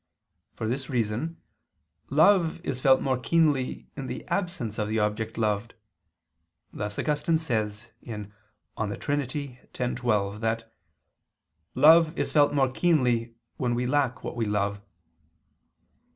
For this reason, love is felt more keenly in the absence of the object loved; thus Augustine says (De Trin. x, 12) that "love is felt more keenly when we lack what we love."